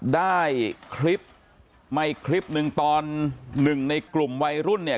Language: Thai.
ได้คลิปไมค์คลิป๑ตอน๑ในกลุ่มวัยรุ่นเนี่ย